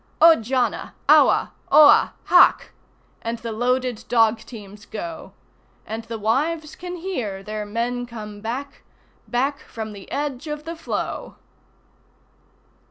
Au jana! Aua! Oha! Haq! And the loaded dog teams go, And the wives can hear their men come back. Back from the edge of the floe!